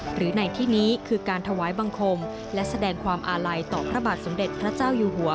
หรือในที่นี้คือการถวายบังคมและแสดงความอาลัยต่อพระบาทสมเด็จพระเจ้าอยู่หัว